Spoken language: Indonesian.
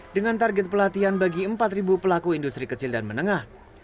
dengan target pelatihan bagi empat pelaku industri kecil dan menengah